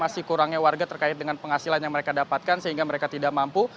masih kurangnya warga terkait dengan penghasilan yang mereka dapatkan sehingga mereka tidak mampu